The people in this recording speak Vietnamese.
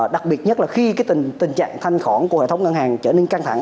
đặc biệt nhất là khi tình trạng thanh khoản của hệ thống ngân hàng trở nên căng thẳng